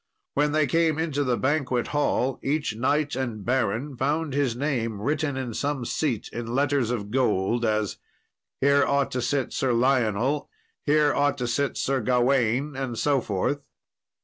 When they came into the banquet hall each knight and baron found his name written in some seat in letters of gold, as "here ought to sit Sir Lionel," "here ought to sit Sir Gawain," and so forth.